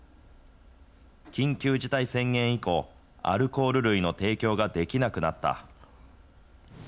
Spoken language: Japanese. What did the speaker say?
緊急事態宣言以降、アルコール類の提供ができなくなった。